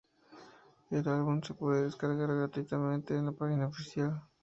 El álbum se puede descargar gratuitamente en la página oficial.